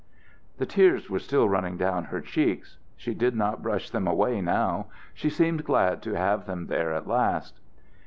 The tears were still running down her cheeks. She did not brush them away now; she seemed glad to have them there at last.